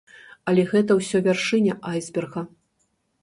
Але гэта ўсё вяршыня айсберга.